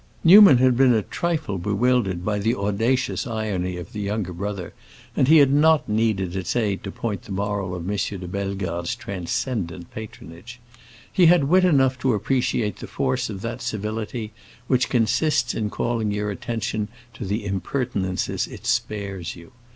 Newman had been a trifle bewildered by the audacious irony of the younger brother, and he had not needed its aid to point the moral of M. de Bellegarde's transcendent patronage. He had wit enough to appreciate the force of that civility which consists in calling your attention to the impertinences it spares you.